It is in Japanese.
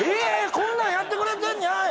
こんなんやってくれてんねや！」